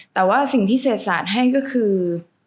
แต่ว่าสิ่งที่เศษศาสตร์ให้ก็คือ